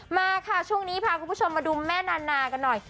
มาค่ะช่วงนี้พาคุณผู้ชมมาดูแม่นานากันหน่อย